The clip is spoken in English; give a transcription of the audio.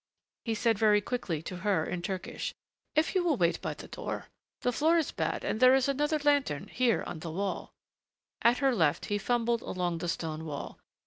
He said very quickly to her in Turkish, "If you will wait by the door. The floor is bad and there is another lantern, here on the wall " At her left he fumbled along the stone wall.